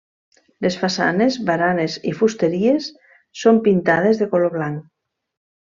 Les façanes, baranes i fusteries són pintades de color blanc.